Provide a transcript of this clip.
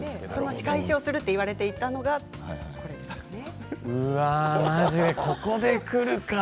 仕返しをすると言われていたのが、これですね。